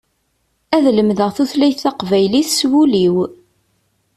Ad lemdeɣ tutlayt taqbaylit s wul-iw.